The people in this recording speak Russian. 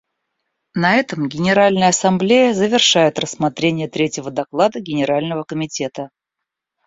На этом Генеральная Ассамблея завершает рассмотрение третьего доклада Генерального комитета.